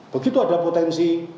begitu ada potensi